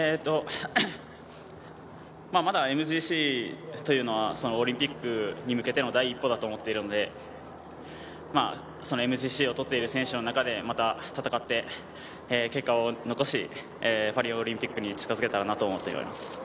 まだＭＧＣというのはオリンピックに向けての第一歩だと思っているのでそのＭＧＣをとっている選手の中で、また戦って結果を残し、パリオリンピックに近づけたらなと思っています。